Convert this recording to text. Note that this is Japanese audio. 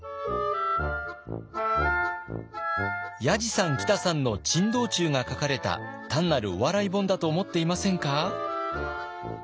やじさんきたさんの珍道中が書かれた単なるお笑い本だと思っていませんか？